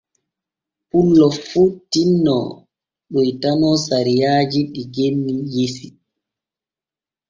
Pullo fu tinno ɗoytano sariyaaji ɗi genni yesi.